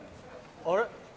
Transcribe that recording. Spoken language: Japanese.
あれ？